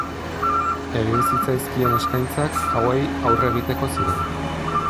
Egiten zitzaizkien eskaintzak hauei aurre egiteko ziren.